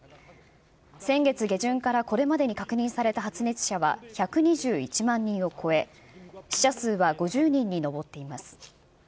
先月下旬からこれまでに確認された発熱者は１２１万人を超え、死者数は５０人に上っています。